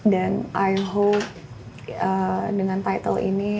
dan i hope dengan title ini